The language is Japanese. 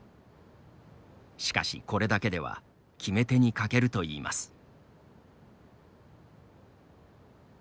しかし、これだけでは決め手に欠けるといいます。